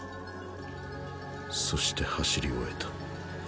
そして走り終えた。